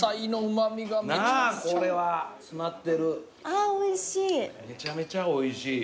あぁおいしい。